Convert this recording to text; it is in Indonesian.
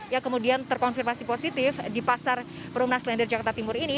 yang kemudian terkonfirmasi positif di pasar perumahan selain dari jakarta timur ini